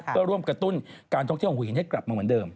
เพื่อร่วมกระตุ้นการท่องเที่ยวของหินให้กลับมาเหมือนเดิม